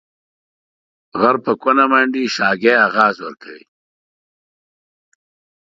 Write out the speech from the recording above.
غر په کونه منډي ، شاگى اغاز ورکوي.